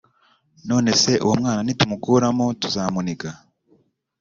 “None se uwo mwana nitumukuramo tuzamuniga